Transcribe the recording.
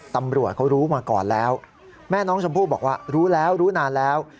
ตำรวจเขารู้มาก่อนแล้วแม่น้องชมพู่บอกว่ารู้แล้วรู้นานแล้ว